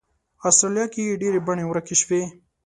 استرالیا کې یې ډېرې بڼې ورکې شوې.